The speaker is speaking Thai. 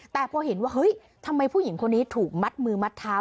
แต่พอเห็นว่าเฮ้ยทำไมผู้หญิงคนนี้ถูกมัดมือมัดเท้า